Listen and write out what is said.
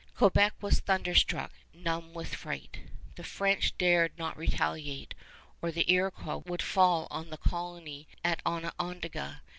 Quebec was thunderstruck, numb with fright. The French dared not retaliate, or the Iroquois would fall on the colony at Onondaga.